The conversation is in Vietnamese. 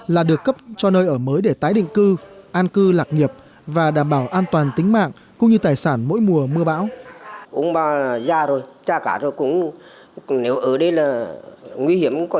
là được cấp cho nơi ở mới để tái định cư an cư lạc nghiệp và đảm bảo an toàn tính mạng cũng như tài sản mỗi mùa mưa bão